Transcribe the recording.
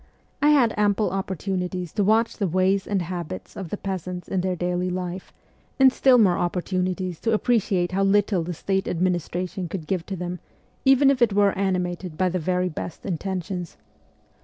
I had ample opportunities to watch the ways and habits of the peasants in their daily life, and still more opportu nities to appreciate how little the State administration could give to them, even if it were animated by the very best intentions.